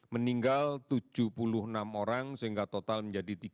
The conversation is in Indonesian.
meninggal tujuh puluh enam orang sehingga total menjadi tiga delapan ratus tujuh puluh lima orang